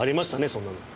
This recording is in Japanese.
そんなの。